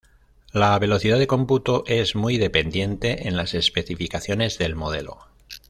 La velocidad de cómputo es muy dependiente en las especificaciones del modelo.